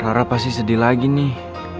lara pasti sedih lagi nih